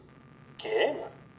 ゲーム？